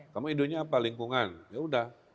kamu ide nya apa lingkungan ya udah